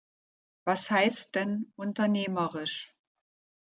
Was heißt denn "unternehmerisch"?